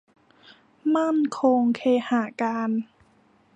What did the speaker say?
มั่นคงเคหะการ